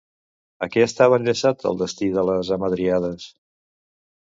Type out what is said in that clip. A què estava enllaçat el destí de les hamadríades?